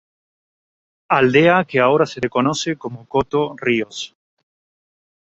Aldea que ahora se le conoce como Coto Ríos.